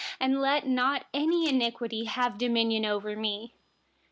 Donât let any iniquity have dominion over me.